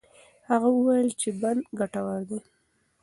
هغه وویل چې بند ګټور دی.